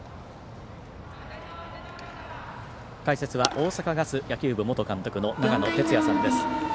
解説は大阪ガス野球部元監督の長野哲也さんです。